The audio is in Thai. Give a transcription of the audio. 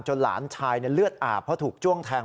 หลานชายเลือดอาบเพราะถูกจ้วงแทง